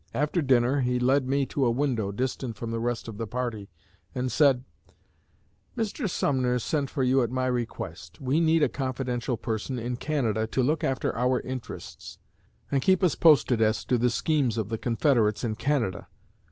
After dinner he led me to a window, distant from the rest of the party, and said: 'Mr. Sumner sent for you at my request; we need a confidential person in Canada to look after our interests, and keep us posted as to the schemes of the Confederates in Canada.